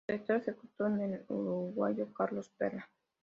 Su director ejecutivo es el uruguayo Carlos Pera.